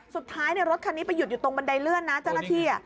สุดท้ายรถคันนี้ไปหยุดอยู่ตรงบันไดเลื่อนนะเจ้าหน้าที่